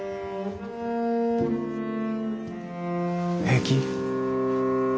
平気？